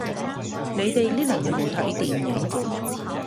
你哋呢輪有冇睇電影